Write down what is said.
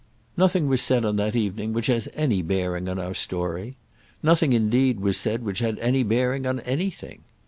Nothing was said on that evening which has any bearing on our story. Nothing, indeed, was said which had any bearing on anything.